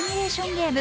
ゲーム